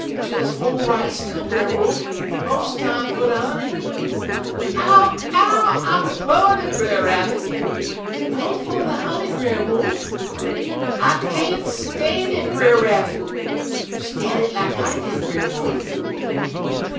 "'Des hol' right still, Brer Wolf; mos' time fer de honey!' "'Ow! ow! I'm a burnin', Brer Rabbit!' "'Wait fer de honey, Brer Wolf.' "'I can't stan' it, Brer Rabbit.' "'Stan' it like I did, Brer Wolf.'